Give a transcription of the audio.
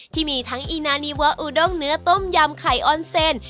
ที่มีทั้งอีนานีวาอูด้งเนื้อต้มยำไข่ออนเซน